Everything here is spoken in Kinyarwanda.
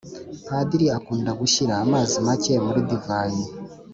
Padiri akunda gushyira amazi make muri divayi